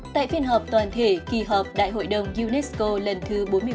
tại phiên họp toàn thể kỳ họp đại hội đồng unesco lần thứ bốn mươi một